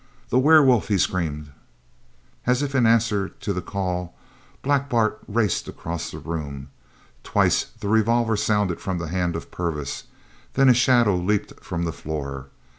"The werewolf," he screamed. As if in answer to the call, Black Bart raced across the room. Twice the revolver sounded from the hand of Purvis. Then a shadow leaped from the floor.